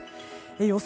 予想